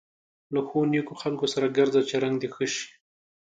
له ښو نېکو خلکو سره ګرځه چې رنګه دې ښه شي.